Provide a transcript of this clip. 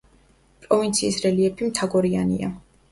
პროვინციის რელიეფი მთაგორიანია.